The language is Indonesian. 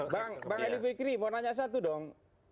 bang ali fikri mau nanya satu dong